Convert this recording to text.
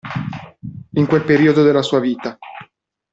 In quel periodo della sua vita.